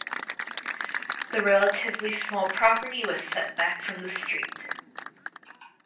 The relatively small property was set back from the street.